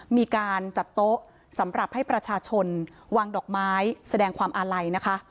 มีการจัดโต๊ะสำหรับให้ประชาชนวางดอกไม้แสดงความอาลัยนะคะ